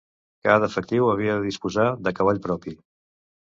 Cada efectiu havia de disposar de cavall propi.